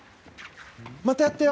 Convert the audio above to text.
またやったよ。